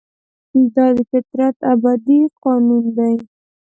دا د فطرت ابدي قانون دی.